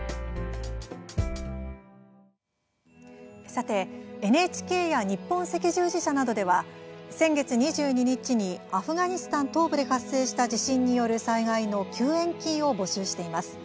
さてＮＨＫや日本赤十字社などでは先月２２日にアフガニスタン東部で発生した地震による災害の救援金を募集しています。